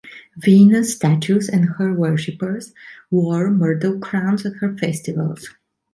Venus' statues, and her worshipers, wore myrtle crowns at her festivals.